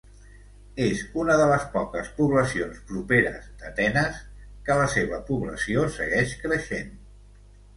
És una de les poques poblacions properes d'Atenes que la seva població segueix creixent.